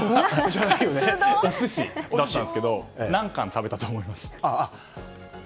お寿司だったんですけど何貫食べたと思います？